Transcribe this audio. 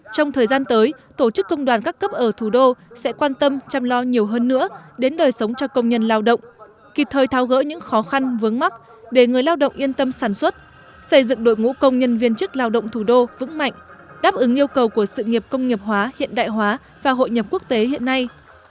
trong thời gian tới tổ chức công đoàn các cấp ở thủ đô sẽ quan tâm chăm lo nhiều hơn nữa đến đời sống cho công nhân lao động kịp thời thao gỡ những khó khăn vướng mắt để người lao động yên tâm sản xuất xây dựng đội ngũ công nhân viên chức lao động thủ đô vững mạnh đáp ứng yêu cầu của sự nghiệp công nghiệp hóa hiện đại hóa và hội nhập quốc tế hiện nay